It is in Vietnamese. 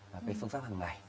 và cái phương pháp hằng ngày